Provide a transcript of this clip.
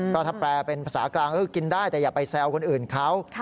ก็ถ้าแปลเป็นภาษากลางก็กินได้แต่อย่าไปแซวคนอื่นเขา